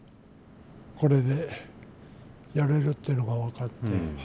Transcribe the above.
これでやれるっていうのが分かって